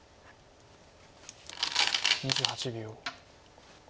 ２８秒。